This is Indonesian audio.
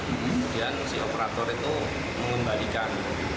kemudian si operator itu mengembalikan